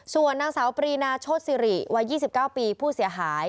ส่วนนางสาวปรีนาโชษศิริวัย๒๙ปีผู้เสียหาย